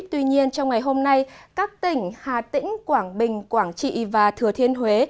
tuy nhiên trong ngày hôm nay các tỉnh hà tĩnh quảng bình quảng trị và thừa thiên huế